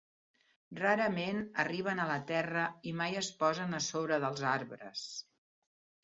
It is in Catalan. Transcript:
Rarament arriben a la terra i mai es posen a sobre dels arbres.